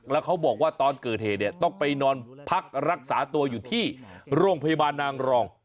แล้วเขาบอกว่าตอนเกิดเหตุเนี่ยต้องไปนอนพักรักษาตัวอยู่ที่โรงพยาบาลนางรอง